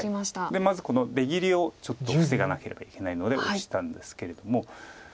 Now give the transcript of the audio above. でまずこの出切りをちょっと防がなければいけないのでオシたんですけれども。